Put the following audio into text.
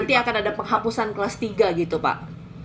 nanti akan ada penghapusan kelas tiga gitu pak